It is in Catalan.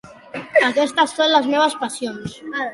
Aquestes són les meves passions.